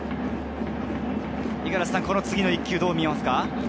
この次の一球をどう見ますか？